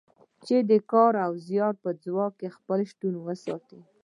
چې د کار او زیار په ځواک خپل شتون وساتي.